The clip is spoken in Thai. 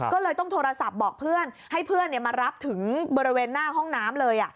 ก็เลยต้องโทรศัพท์บอกเพื่อนให้เพื่อนมารับถึงบริเวณหน้าห้องน้ำเลย